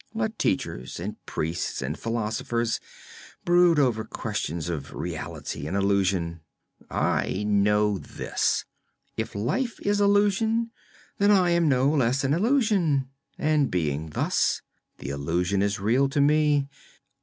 Let teachers and priests and philosophers brood over questions of reality and illusion. I know this: if life is illusion, then I am no less an illusion, and being thus, the illusion is real to me.